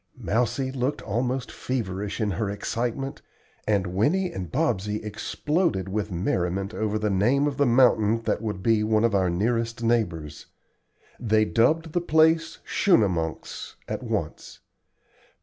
Mousie looked almost feverish in her excitement, and Winnie and Bobsey exploded with merriment over the name of the mountain that would be one of our nearest neighbors. They dubbed the place "Schunemunks" at once.